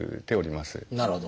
なるほど。